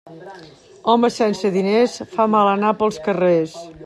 Home sense diners fa mal anar pels carrers.